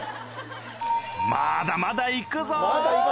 まだまだ行くぞ！